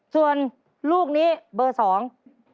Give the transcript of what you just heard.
ส่วนลูกนี้เบอร์สอง